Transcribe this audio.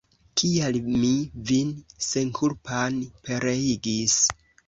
Kial mi vin senkulpan pereigis!